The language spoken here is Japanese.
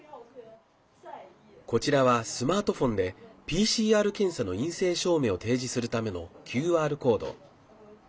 こちらは、スマートフォンでＰＣＲ検査の陰性証明を提示するためのＱＲコード。